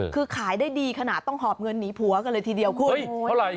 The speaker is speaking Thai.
คือขายได้ดีขนาดต้องหอบเงินหนีผัวกันเลยทีเดียวคุณเท่าไหร่